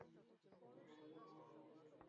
তোমার ভবিষ্যত এমনিতেও ভারি বিষাদময়।